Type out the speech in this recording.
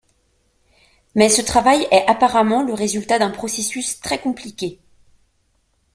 Mais ce travail est apparemment le résultat d'un processus très compliqué.